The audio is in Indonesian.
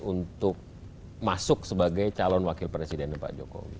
untuk masuk sebagai calon wakil presidennya pak jokowi